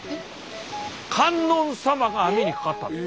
観音様が網にかかったんです。